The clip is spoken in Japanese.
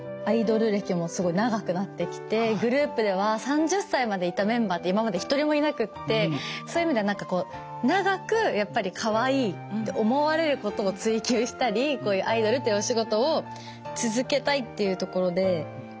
アイドル歴もすごい長くなってきてグループでは３０歳までいたメンバーって今まで一人もいなくってそういう意味では何かこう長くやっぱりかわいいって思われることを追求したりこういうアイドルってお仕事を続けたいっていうところで。